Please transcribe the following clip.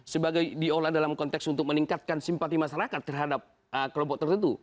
sebagai diolah dalam konteks untuk meningkatkan simpati masyarakat terhadap kelompok tertentu